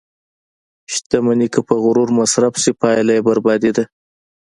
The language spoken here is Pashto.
• شتمني که په غرور مصرف شي، پایله یې بربادي ده.